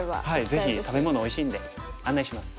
ぜひ食べ物おいしいんで案内します。